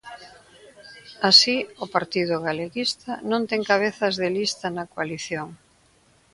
Así, o Partido Galeguista non ten cabezas de lista na coalición.